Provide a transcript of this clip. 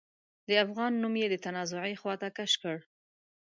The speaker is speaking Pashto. د افغان نوم يې د تنازعې خواته کش کړ.